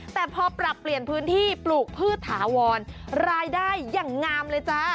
แต่พอปรับเปลี่ยนพื้นที่ปลูกพืชถาวรรายได้อย่างงามเลยจ้า